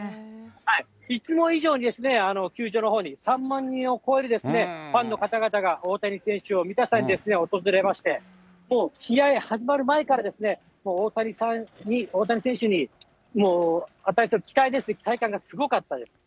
いつも以上に、球場のほうに３万人を超えるファンの方々が、大谷選手を見たさに訪れまして、もう試合始まる前から、もう大谷選手に、もう、期待ですね、期待感がすごかったです。